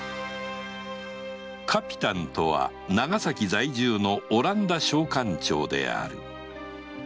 カピタンとは長崎在住のオランダ商館長である